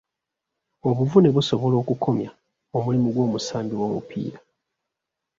Obuvune busobola okukomya omulimu gw'omusambi w'omupiira.